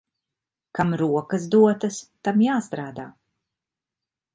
Kam rokas dotas, tam jāstrādā.